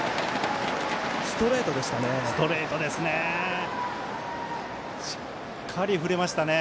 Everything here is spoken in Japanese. ストレートでしたね。